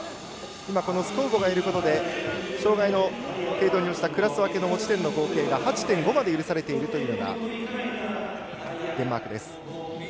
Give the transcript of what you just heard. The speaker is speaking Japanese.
このスコウボがいることで障がいの程度に応じた持ち点の合計が８．５まで許されているというのがデンマークです。